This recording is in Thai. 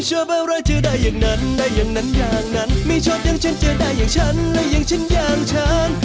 จะได้อย่างฉันและอย่างฉันอย่างฉัน